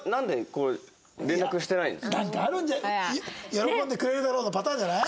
喜んでくれるだろうのパターンじゃない？